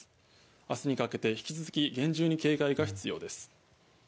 明日にかけて引き続き厳重に警戒が必要です。